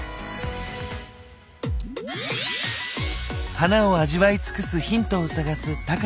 花を味わい尽くすヒントを探す高野さん。